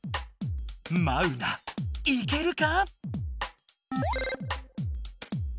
マウナいけるか？